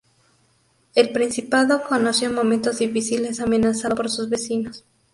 El principado conoció momentos difíciles, amenazado por sus vecinos.